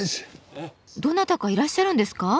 どなたかいらっしゃるんですか？